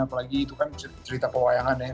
apalagi itu kan cerita pewayangan ya